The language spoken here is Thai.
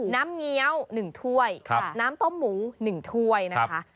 น้ำเงี้ยวหนึ่งถ้วยน้ำต้มหมูหนึ่งถ้วยนะคะ